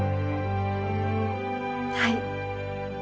はい。